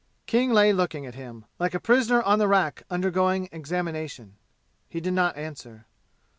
King lay looking at him, like a prisoner on the rack undergoing examination. He did not answer.